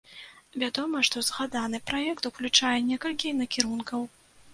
Вядома, што згаданы праект уключае некалькі накірункаў.